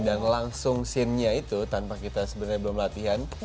dan langsung scenenya itu tanpa kita sebenernya belum latihan